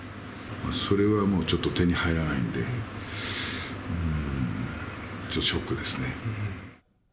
それはもうちょっと手に入らないんで、うーん、ショックですね。